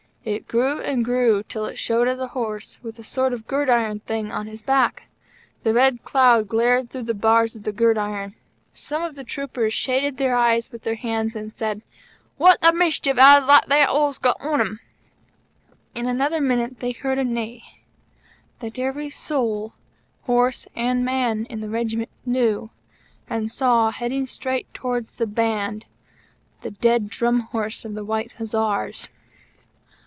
It grew and grew till it showed as a horse, with a sort of gridiron thing on his back. The red cloud glared through the bars of the gridiron. Some of the troopers shaded their eyes with their hands and said: "What the mischief as that there 'orse got on 'im!" In another minute they heard a neigh that every soul horse and man in the Regiment knew, and saw, heading straight towards the Band, the dead Drum Horse of the White Hussars!